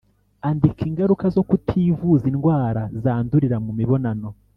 Andika ingaruka zo kutivuza indwara zandurira mu mibonano